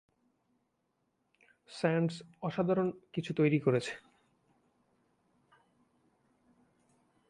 Sands অসাধারণ কিছু তৈরি করেছে।